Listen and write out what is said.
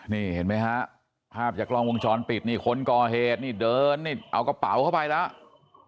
นี่เห็นไหมฮะภาพจากกล้องวงจรปิดนี่คนก่อเหตุนี่เดินนี่เอากระเป๋าเข้าไปแล้ว